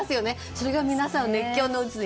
それが皆さんを熱狂を渦に。